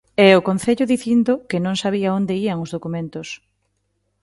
E o Concello dicindo que non sabían onde ían os documentos.